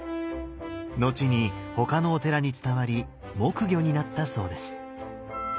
後に他のお寺に伝わり木魚になったそうです。